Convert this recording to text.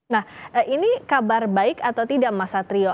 nah ini kabar baik atau tidak mas satrio